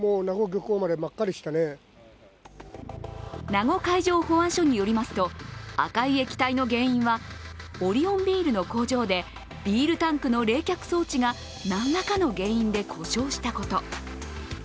名護海上保安署によりますと赤い液体の原因はオリオンビールの工場でビールタンクの冷却装置がなんらかの原因で故障したこと。